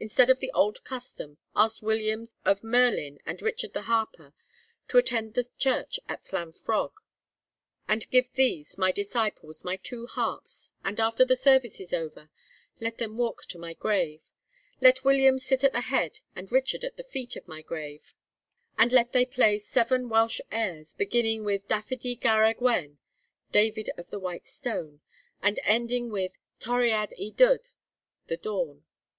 Instead of the old custom ask Williams of Merllyn and Richard the Harper to attend the church at Llanfwrog, and give these, my disciples, my two harps, and after the service is over, let them walk to my grave; let Williams sit at the head and Richard at the feet, of my grave, and let them play seven Welsh airs, beginning with Dafydd y Garreg Wen,' (David of the White Stone) 'and ending with, Toriad y Dydd,' (the Dawn.)